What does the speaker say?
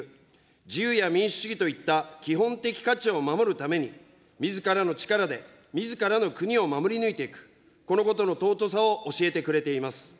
自由や民主主義といった基本的価値を守るために、みずからの力でみずからの国を守り抜いていく、このことの尊さを教えてくれています。